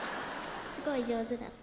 すごい上手だった。